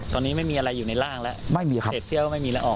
ตอนนี้ไม่มีอะไรอยู่ในร่างแล้ว